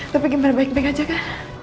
tapi gimana baik baik saja kan